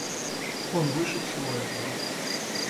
Он выше всего этого.